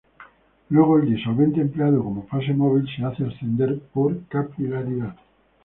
Luego el disolvente empleado como fase móvil se hace ascender por capilaridad.